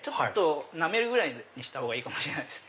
なめるぐらいにした方がいいかもしれないです。